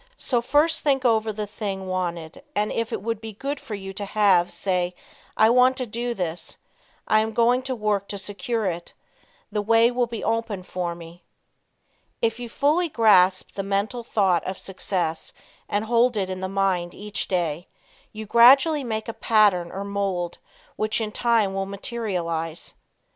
So first think over the thing wanted and if it would be good for you to have; say, "I want to do this; I am going to work to secure it. The way will be open for me." If you fully grasp mentally the thought of success and hold it in mind each day, you gradually make a pattern or mold which in time will materialize.